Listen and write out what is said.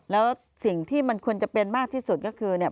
แล้วสิ่งที่มันควรจะเป็นมากที่สุดก็คือเนี่ย